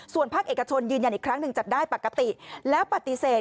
ส่วนภาคเอกชนยืนยันอีกครั้งหนึ่งจัดได้ปกติแล้วปฏิเสธ